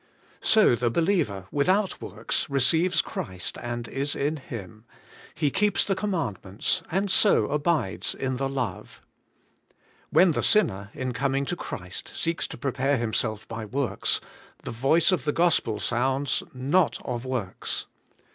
So the believer, without works, receives Christ and is in Him; he keeps the com mandments, and so abides in the love. When the sinner, in coming to Christ, seeks to prepare himself by works, the voice of the Gospel sounds, 'Not of imrlcs.''